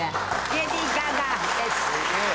レディー・ガガです。